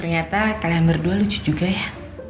ternyata kalian berdua lucu juga ya